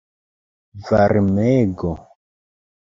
Varmego?